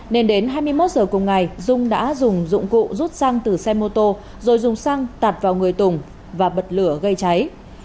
nên đến hai mươi một giờ cùng ngày dung đã dùng dụng cụ rút xăng từ xe mô tô rồi dùng xăng tạt vào người tùng và bật lửa gây cháy